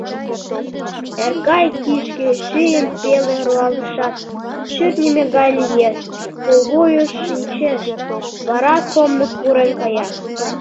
Эркай кишке шӱйым пеле руалешат, шӱртньымӧ гай лиеш, пулвуйыш шинчеш, вара комдык пурен кая.